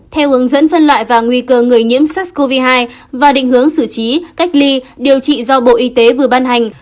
theo hướng dẫn phân loại và nguy cơ người nhiễm sars cov hai và định hướng xử trí cách ly điều trị do bộ y tế vừa ban hành